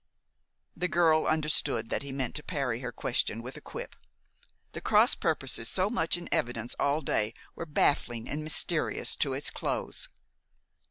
The girl understood that he meant to parry her question with a quip. The cross purposes so much in evidence all day were baffling and mysterious to its close.